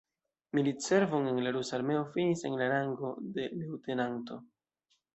Militservon en la rusa armeo finis en la rango de leŭtenanto.